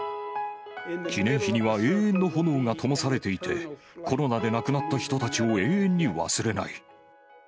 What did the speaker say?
記念碑には永遠の炎がともされていて、コロナで亡くなった人たちを永遠に忘れない。